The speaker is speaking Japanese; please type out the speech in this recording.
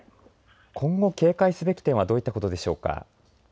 今後、警戒すべき点はどういった点でしょうか。